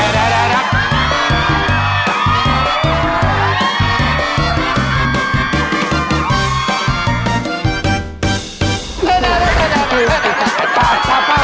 ได้